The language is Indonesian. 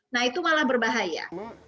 nah itu malah berbahaya